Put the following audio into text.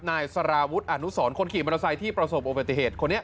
นายสาราวุฒิอานุศรคนขี่มทรายที่ประสบโอกาสอุบัติเหตุครับ